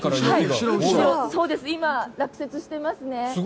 今、落雪していますね。